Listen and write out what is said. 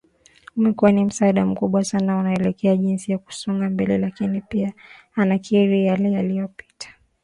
amekuwa ni msaada mkubwa sana anaelekeza jinsi ya kusonga mbele lakini pia anakiri yale yaliyopita